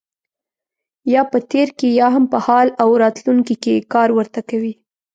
یا په تېر کې یا هم په حال او راتلونکي کې کار ورته کوي.